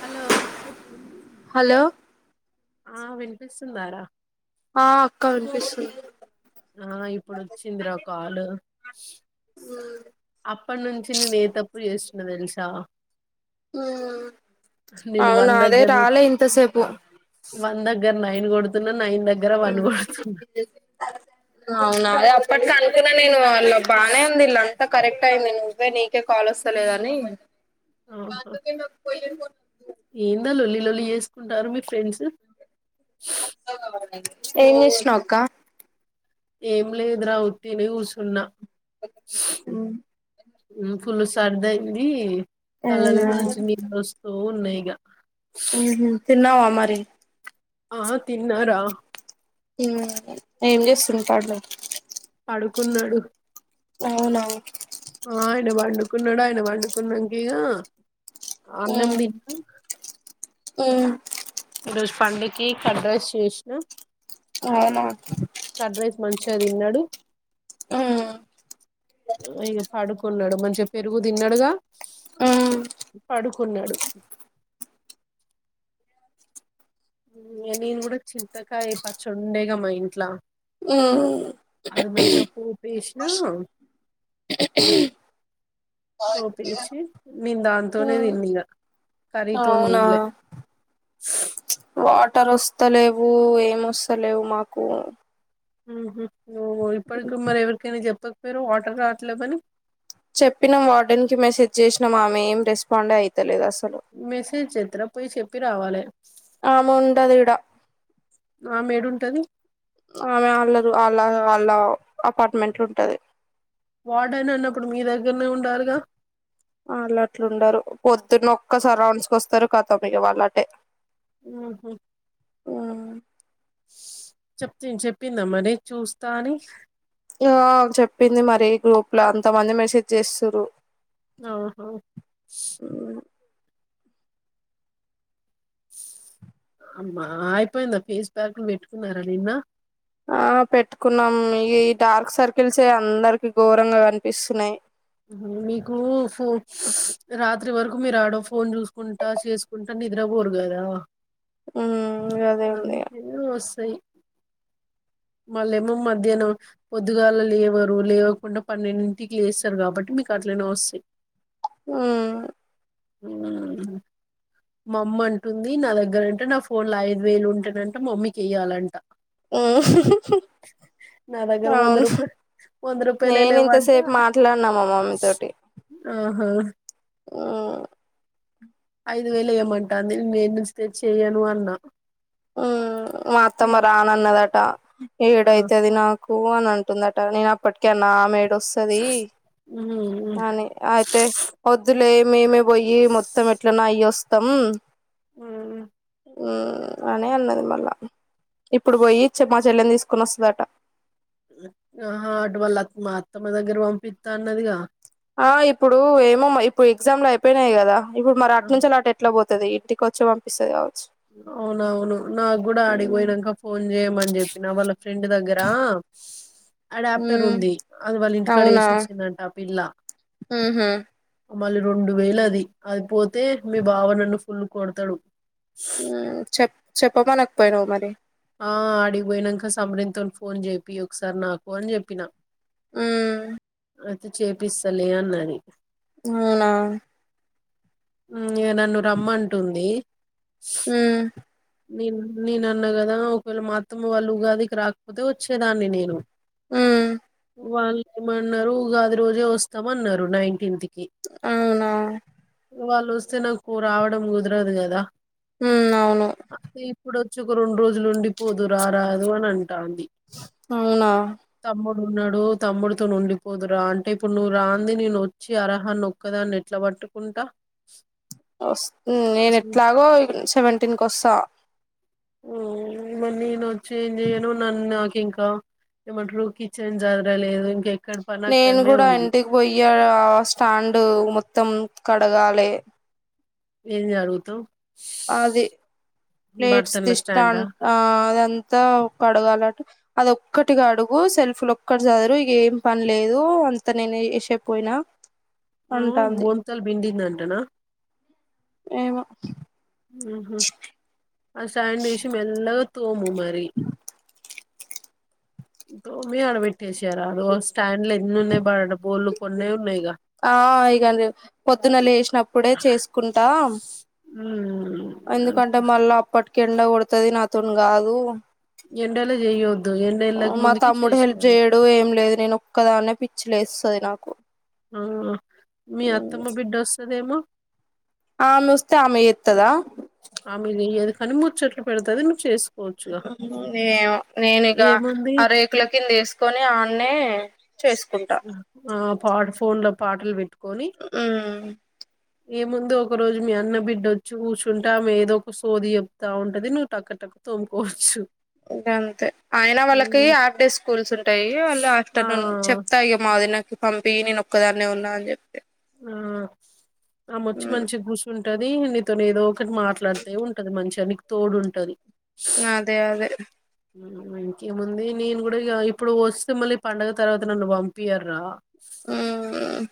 Hello hello ఆ వినీపీస్తుందారా ఆ అక్క వినిపిస్తుంది ఆ ఇప్పుడు వచ్చిందిరా కాలు అప్పటి నుంచి నేను ఏ తప్పు చేస్తున్న తెలుసా నేను అవునా వన్ అదే దగ్గర రాలే ఇంతసేపు నేను గొడుతున్న అవునా అప్పట్ లా నేను ఇలా బానే ఉందిలా అంత కరక్ట్ అయింది అవే నీకే కాల్ వస్తలేదని పో [inaudible] ఏందా లొల్లిలొల్లి చేసుకుంటారు మీ ఫ్రెండ్స్ ఎం చేస్తున్నావ్ అక్క ఏం లేదు రా ఊరకనే కూసున్నా హమ్ ఉమ్ ఫుల్ సార్దాయింది కళ్ళల్లో అవునా నుంచి నీళ్ళు వస్తు [unintelligible] ఉమ్ హు తిన్నావా మరి ఆ తిన్నారా హమ్ ఏం చేస్తుంది [inaudible] పడుకున్నాడు అవునా ఆ అన బాండు కున్నాడా ఆయన పండుకున్నకే అన్నం దింపి అ ఈరోజు పండుకి కర్డ్ రైస్ చేసిన అవునా కర్డ్ రైస్ మంచిగా తిన్నాడు ఉమ్ ఇగ పడుకున్నాడు మన్ చే పెరుగు తిన్నడుగా ఉమ్ పడుకున్నాడు నేను కూడా చింతకాయ పచ్చడ ఉండేగా మా ఇంట్లా వో అది మంచిగా పోప్ ఏసినా పోప్ ఏచి మేమ్ దాంతోనే ఉమ్ తిన్న ఇగ కర్రితోన్ అవునా తిన్లే వాటర్ వస్తలేవు ఏం వస్తలేవు మాకు హ్మ్ హు ఓ ఇప్పటికి మరి ఎవరికైనా చెప్పకపోయినవ్ వాటర్ రాట్లేవని చెప్పినం వార్డెన్ కి మెసేజ్ చేసినం ఆమె ఏం రెస్పాండే అయితలేదు అస మెసేజ్ చెతర పోయి చెప్ చేప్పి రావాలే ఆమ ఉండదిడా ఆమేడుంటది ఆమె వాళ్ళరు వాళ్ళ ఆళ్ళ అపార్ట్ మెంట్ ఉంటది వార్డెన్ అన్నప్పుడు మీ దగ్గరనే ఉండాలిగా వాళ్ళు అట్లుండరు పొద్దున్నొక్క సారి రౌండ్స్ కోస్తారు కతం ఇగ వాళ్ళటే ఊహూ హ్మ్ చెప్పి చెప్పిందామరి చూస్తా అని ఆ చెప్పింది మరి గ్రూప్ ల అంతమంది మెసేజ్ చేస్తుర్రు ఆహా అమ్మా అయిపోయిందా ఫేస్ ప్యాక్లు పెట్టుకున్నారా నిన్న ఆ పెట్టుకున్నాం ఈ డార్క్ సర్కిల్సే అందరికి ఘోరంగా కనిపిస్తున్నాయి మీకు ఫో రాత్రి వరకు మీరు ఆడో ఫోన్ చూసుకుంటా చేసుకుంటా నిద్ర పోరు కదా ఉమ్ అదే ఉంది ఇగ అందుకే వస్ అది మళ్ళేమో మధ్యాహ్నం పొద్దుగాల లేవరు లేవకుండా పన్నెండింటికి లేస్తారు కాబట్టి మీకు అట్లనే వస్తాయి హ్మ్ మా అమ్మ అంటుంది నా దగ్గరంట నా ఫోన్లు ఐదు వేలు ఉంటేనంట మమ్మీకి వెయ్యాలంట ఓ హు హు నా దగ్గర వంద అవును రూపాయ వంద రూపాయలే నేను లేవంట ఇంతసేపు మాట్లాడినా మా మమ్మీ తోటి ఆహ్ ఉహ్ ఐదు వేలు ఎయ్యమంటంది నేను ఏడు నుంచి తెచ్చి వెయ్యను అన్నా ఉ మా అత్తమ్మ రానన్నదట ఆ ఏడైతే అది నాకు ఎక్కు అని అంటుందట నేను అప్పటిక అన్న ఆమె వస్తుంది కానీ అయితే వొద్దులే మేమే పోయి మ తం ఎట్లనా అయి వస్తాం ఉ అనే అన్నది మళ్ళా ఇప్పుడు పోయి చె మా చెల్లెని తీసుకుొని వస్తదంట ఆహా అటువల్ల అ మా అత్తమ దగ్గర పంపిస్తా అన్నదిగా ఆ ఇప్పుడు ఏమో ఇప్పుడు ఎగ్జామ్లు అయిపోయినాయి కదా ఇప్పుడు మరి అటు నుంచి అలాట ఎట్లా పోతుంది ఇంటికి వచ్చి పంపిస్తుంది అవునవును నాకు కూడా ఆడికి పోయినకా ఫోన్ చేయమని చెప్పిన వాళ్ళ ఫ్రెండ్ దగ్గరా అడాప్టర్ మ్మ్ ఉంది అది వాళ్ళ ఇంటికాడ అవునా వేసి వచ్చిందంట ఆ పిల్ల మ్మ్ హ్మ్ మళ్ళీ రెండు వేలు అది అది పోతే మీ భావనన్ను ఫుల్ కొడతాడు హ్మ్మ్ చెప్ చెప్పమనకపోయినావు మరి ఆ అడిగిపోయానాక సమ్రీన్ తోని ఫోన్ చేపి ఒకసారి నాకు అని చెప్పినా హ్మ్మ్ అతే చేపిస్తాలే అన్నది అవునా నన్ను రమ్మంటుంది హ్మ్మ్ నేను నేన అన్నా కదా ఒకవేళ మాఅత్తమ్మవాళ్ళు ఉగాదికి రాకపోతే వచ్చేదాన్ని నేను ఉమ్ వాళ్ళు ఏమన్నారు ఉగాది రోజే వస్తామన్నారు నైన్టీన్త్ కి కి అవునా వాళ్ళు వస్తే నాకు రావడం కుదరదు గాదా ఉమ్ అవును అయిే ఇప్పుడు వచ్చి ఒక రెండు రోజులు ఉండి పోదు రారదు అని అంట కాధ అవునా తమ్ము ఉన్నాడు తమ్ముడుతో ఉండిపోదురా అంటే ఇప్పుడు నువ్వు రాంది నేను వచ్చి అర్హ నొక్కదా అని ఎట్లా పట్టుకుంటా నేను అసలు ఎట్లాగో సెవెంటీన్ క వస్తా కుత్త ఆ మ నేను చేంజ్యను నన్న ఇంకా ఏమంటారు కిచెన్ జాదర లేదు ఇంకా నేను కూడా ఇంటికి పోయా ఆ స్టాండ్ మొత్తం కడగాాలే ఏం జరుత అదే ప్లేట్స్ దిష్ట స్టాండా ఆ అదంతా కడగాలంటటు అది ఒక్కటిగా అడుగు సెల్ఫీలు ఒక్కటి చదరు ఇ ఏం పని లేదు అంత నేను చేసేపోయినా ఆ అంటాంది బొంతల్ బిడిందంటనా ఏమో ఆహా ఆసాయం దేశం ఎల్ తోము మరి దోమి అడబట్టేేశారా అద స్టాండ్ లో ఎన్ని ఉన్నాయి బడ బోల్లు కొన్ని ఉన్నాయి గా ఆ ఇగన్ీ పొద్దున లేసి ప్పుడే చేసుకుంటా ఉమ్ ఎందుకంటే మళ్ళీ అప్పటి ఎండ కొడతది నాతోని కాదు ఎండలో చేయొద్దు ఎండ ఎళ్ళక మా ముందుకే తమ్ముడు హెల్ప్ చేసేయాలి చేయ్యడు ఏం లేదు నేను ఒక్కదానే పి చ్చి లేస్తది నాకు ఆ మీ అత్తమ్మ బిడ్డ వస్తదేమో ఆ వాళ్ళు వస్తే ఆమె ఎత్తదా ఆమె చేయదు కానీ ముచట్లు పెడతది నువ్వు చేసుకో ఏమో నేనుగ ఏముంది ఆ రేకుల కింద వేసుకొని ఆన్నే చేసుకుంటా ఆ పాట ఫోన్ లో పాటల్ పె అమ్ ఏముందు ఒక రోజు మీ అన్న బిడ్డొచ్చి కూర్చుంటే ఆమె ఏదో ఒక సోది చెప్తా ఉంటది నువ్వు టక టక తోముకోవచ్చు ఇంకా అంతే అయినా వాళ్ళకి ఉమ్, హాఫ్ డే స్కూల్స్ ఉంటాయి వాళ్ళు ఆ ఆఫ్టర్నూన్ చెప్తాయి మా వదినకి పంపి నేను ఒక్కదాన్నే ఉన్నా అని చెప్తే ఆ ఆమె వచ్చి మంచిగా గుసుంట ఉంటది నీతో ఏదో ఒకటి మాట్లాడితే ఉంటది మంచిగా నీకు తోడు ఉంటది అదే అదే ఇంకేముంది నేను కూడా ఇప్పుడు వస్తే మళ్ళీ పండుగ తర్వాత నన్ను పంపియార్రా ఆమ్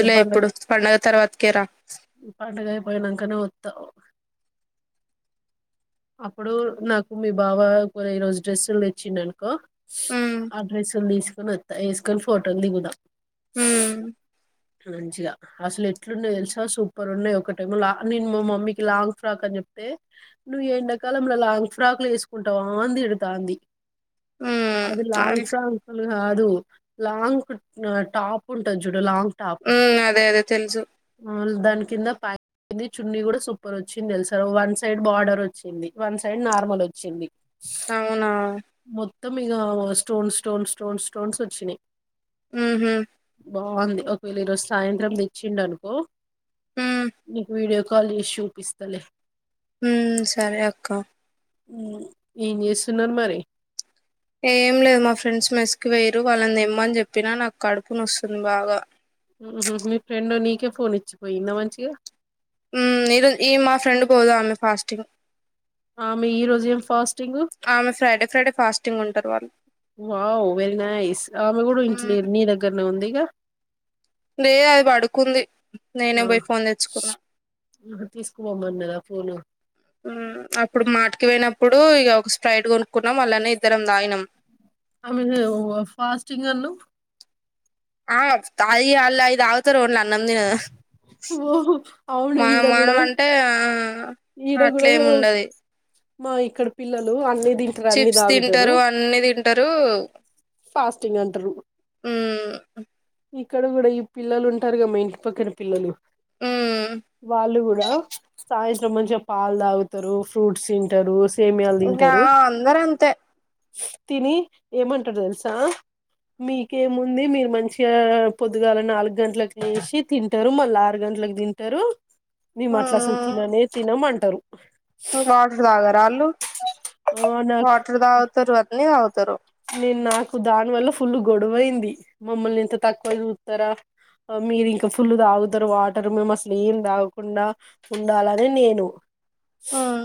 ఇగ పండగ ఇప్పుడు పండుగ తర్వాతకే రా పోయినాంకనే వత్తా అప్పుడు నాకు మీ బావా ఒక రోజు డ్రెస్సులు తెచ్చిండనుకో మ్మ్ అ డ్రెస్ ను దీస్ కొనేతా ఏసుకొని ఫోటోలు దిగుదాం ఊమ్ మంచిగా అసలు ఎట్లున్నాయో తెలుసా సూపర్ ఉన్నాయి ఒక టైంలా నేను మా మమ్మీకి లాంగ్ ఫ్రాక్ అని చెప్తే నువ్వు ఎండాకాలంలో లాంగ్ ఫ్రాక్లు వేసుకుంటావా అని తిడతాంది అది లాంగ్ ఫ్రాక్లు కాదు లాంగ్ టాప్ ఉంటది చూడు లాంగ్ టాప్ ఉమ్ అదే అదే తెలుసు దాని కింద పంది చున్నీ కూడా సూపర్ వచ్చింది తెలుసా వన్ సైడ్ బార్డర్ వచ్చింది వన్ సైడ్ నార్మల్ వచ్చింది అవునా త్తం మిగా స్టోన్ స్టోన్ స్టోన్ స్టోన్స్ వచ్చినాయి ఊహుమ్ బాగుంది ఒకవేళ ఈ రోజు సాయంత్రం తెచ్చిండు అనుకో మ్మ్ నీకు వీడియో కాల్ జేసీ జూపిస్తలే ఉం సరే అక్క ఉమ్ ఏం జేస్తున్నారు మరి ఏం లేదు మా ఫ్రెండ్స్ మెస్కి వేయరు వాళ్ళను ఇమ్మని చెప్పినా నాకు కడుపు నొసుంది బాగా ఊహ్మ్ మీ ఫ్రెండ్ నీకే ఫోన్ ఇచ్చిపోయిందా మంచిగా ఊమ్ ఇ రోజు ఈ రోజు మా ఫ్రెండ్ పోదామె ఫాస్టుగా ఆమె ఈ రోజు ఏం ఫస్ ఆమె ఫ్రైడే ఫ్రైడే ఫాస్ట్ టింగ్ ఉంటరు వాళ్ళు వావ్ వెరీ నైయిస్ ఆమె కూడా మ్మ్ ఇంట్లేదు నీదగ్గరనే వుంది య దే అది పడుకుంది నేనే పోయి ఫోన్ తెచ్చుకున్నా తీసుకోమన్నదా ఫోను ఊమ్ అప్పుడు మాటకి పోయినప్ ఇప్పుడు ఇగ ఒక స్ప్రైట్ కొనుక్కున్నాం అళ్లనే ఇద్దరం దాగినం ఆమె ఫాస్టింగ్ అనవ్ ఆ తయి అల్ అయి త్త రోడ్ల అన్నం తినద హ ఓహో అవును మా ఈడ మనం కూడా అంటే ఆ ఈడ గుడ అట్లేమి ఉండది మా ఇక్కడ పిల్లలు అన్ని తింటారు అన్ని చిప్స్ తాగుతారు తింటారు అన్ని తింటారు ఫాస్టింగ్ అంటారు ఇక్కడ కూడా ఈ పిల్లలు ఉంటారు క మా ఇంటి పక్కన పిల్లలు మ్మ్ వాళ్ళు గుడా సాయ్ మంచిగా పాలు తాగుతారు ఫ్రూట్స్ తింటారు సేమియాలు ఇంకా తింటారు అందర అంతే తిని ఏమంటారు తెలుసా మీకేముంది మీరు మంచిగా పొద్దుగాల నాలుగు గంటలలకు వేసి తింటారు మళ్ళా ఆరు గంటలకు తింటారు నిన్ను మ్మ్ అట్లాసుత్తినానే అమ్మంటారు [unintelligible] ఆళ్ళు ఆ నాకు వాటర్ తాగుతారు [unintelligible] నేను నాకు దాని వల్ల ఫుల్ గొడవైంది మమ్మల్ని ఎంత తక్కువ చూతారా మీరు ఇంకా ఫుల్లు తాగుతారు వాటర్ మేము అసలు ఏం తాగకుండా ఉండాలనే నేను మ్మ్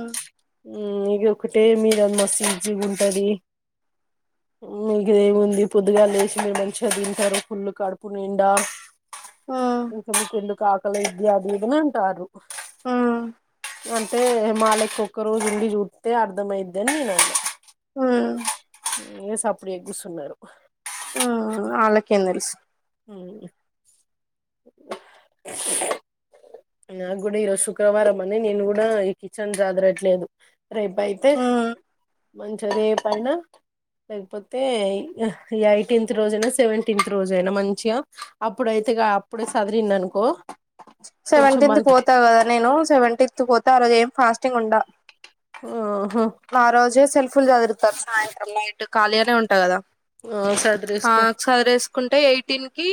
ఇది ఒకటే మీరు అంత మస్తు ఇజ ఉంటది మీకుదేముంది పొద్దుగా లేచ మీరు మంచిగా తింటారు పుల్ళు కడుపు నిండా మ్మ్ ఇక నీకెందుకు [unintelligible] అది ఇది అని ఉంటారు ఆ అంతే మాాలక్ ఒక్కజస్ట్రు ఉంది అర్ధమైయిద్దేను నను ఆ ఏ సప్పుడేగుసున్నరు ఆ ఆలకెందెలుసు ఉమ్ హు నాకు కూడా ఈరోజు శుక్రవారం అని నేను కూడా ఈ కిచెన్ చదరట్లేదు రేప అయితే మ్మ్ మంచిగా రేపయినా లేకపోతే ఈ యాయిటీన్త్ రోజైనా సెవెంటీన్త్ రోజయినా మంచిగా అప్పుడైతే అప్పుడే సాదిరిన్ అనుకో కొంచెం సెవెంటీన్త్ మంచి పోతా కదా నేను సెవెంటీన్త్ పోతే ఆ రోజ ఏం ఫాస్టింగ్ ఉండ ఆహా ఫుల్ చదురుతారు సాయంత్రం నైట్ ఖాలీగానే ఉంట కదా ఆ సద్రేస్కో కుంటే ఎయిటీన్ కి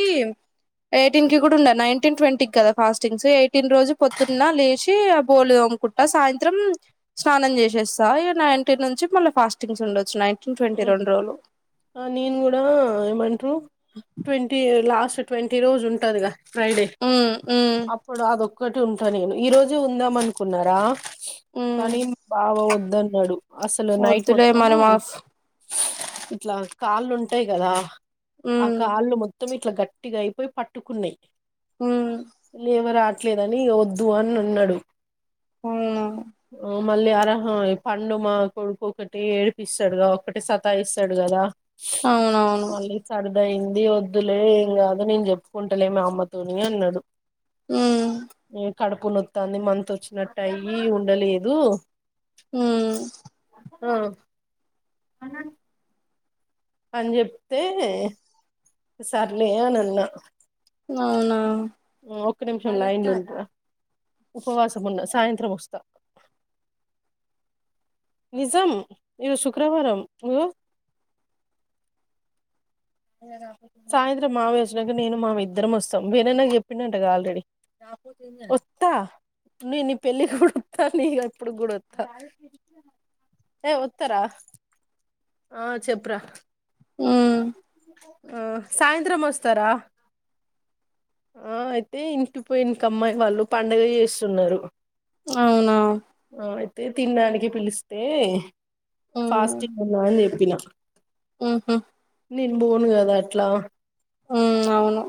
ఎయిటీన్ కి కూడా ఉండాలి నైన్టీన్ ట్వంటీ కి కదా ఫాస్టింగ్స్ ఎయిట్ పుట్టిన రోజు పొద్దున్న లేషి బోలు తోముకుంట సాయంత్రం స్నానం చేసేస్తా ఈ నైన్టీన్ నుంచి మళ్ళ ఫాస్టింగ్స్ ఉండచ్చ ఉమ్ నేను కూడా ఏమంటారు ట్వంటీ లాస్ట్ ట్వంటి రోజు ఉంటరు గా ఫ్రై డే ఉమ్ ఉమ్ అప్పుడు అదొక్ ఒకటి ఉంటా నేను ఈ రోజు ఉందాం అనుకున్నారా ఉమ్ కానీ బాగావద్దు దన్నడు వద్దులే మన మాస్ ఇట్లా కాళ్ళు ఉంటాయి కదా ఆ ఉమ్ కాళ్ళు మొత్తమ్ ఇట్ ఇట్లా గట్టిగా అయిపోయి పట్టుకున్నయ్ ఉమ్ లేవరాద్ ట్లేదని వద్దు అని ఉన్నడు అవును మళ్ళీ అరహ పండుమ కొడుకు ఒకటి ఏడిపిస్తాడుగా ఒకటి సతాఇస్తడు కదా అవునవును ఇప్పుడ అయింది వద్దులే ఏం కాదు నేను చెప్పుకుంటలే మా అమ్మతోని అన్నడు ఉమ్ ఏక్ కడుపు నొత్తంది మంత్ వచ్చినట్టు అయి ఉండలేదు ఉమ్ ఆ అని చెప్తే సర్లే అని అన్న అవునా ఒక్క నిమిషం లైన్ లా ఉండరా ఉపవాసం ఉన్న సాయంత్రం వస్తా నిజం ఇరోజ్ శుక్రవారం నువ్ సాయంత్రం మావయ్య వచ్చినంక, నేను మావయ్య ఇద్దరం వస్తాం వేణు అన్న కి చేప్పిండంటగ. ఆల్రెడీ వస్తా నిన్ నీ పెళ్ళికి కూడా వత్తా. నీ ఎప్పుడు గూడా వత్తా ఏ వత్తార ఆ చెప్పు రా. ఉ ఆ సాయంత్రం వస్తారా ఆ అయితే ఇంటి పోయినంక, అమ్మాయి వాళ్ళు పండుగ చేస్తున్నారు. అవునా ఆ అయితే తినడానికి పిలిస్తే ఫాస్టింగ్ ఉన్నా అని చెప్పిన ఉహ నేను బోను గదా అట్లా ఆ అవును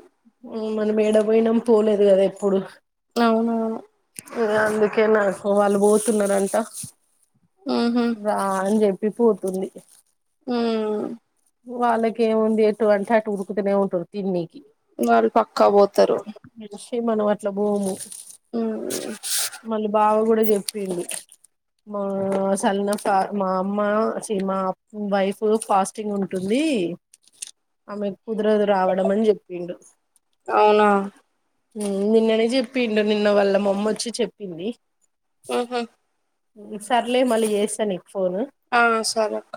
మనం ఏడ పోయినాం పోలేదు కదా ఎప్పుడు అవునవును ఆ అందుకే నా వాళ్ళు పోతున్నారంట ఉహు రా అం చెప్ పోతుంది మ్ హు వాల్లకేముంది ఎట్టు పడితే అటు ఉరుకుతానే ఉంటరు తిన్నేకి వాళ్ళు పక్కా పోతారు మనిషి మనం అట్ల బోము ఉమ్ మళ్ళీ బావ కూడా చెప్పింది మా సల్న మా అమ్మా ఛీ మా వైఫ్ ఫాస్ స్టింగ్ ఉంటుంది ఆమె కుదరదు రావడం అని చెప్పిండు అవునా నిన్ననే చెప్పిండు నిన్న వాళ్ళ మమ్మొచ్చి చెప్పింది ఉహు సర్లే మళ్ళి చేస్తా నీకు ఫోను ఆ సరేక్క